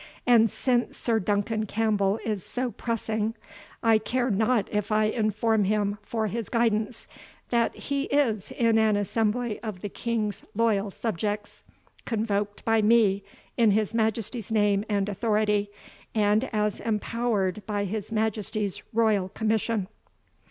And since Sir Duncan Campbell is so pressing, I care not if I inform him, for his guidance, that he is in an assembly of the King's loyal subjects, convoked by me, in his Majesty's name and authority, and as empowered by his Majesty's royal commission."